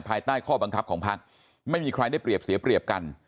ภายใต้ข้อบังคับของพักไม่มีใครได้เปรียบเสียเปรียบกัน